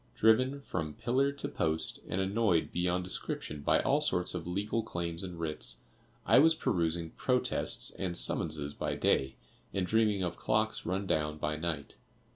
Driven from pillar to post, and annoyed beyond description by all sorts of legal claims and writs, I was perusing protests and summonses by day, and dreaming of clocks run down by night.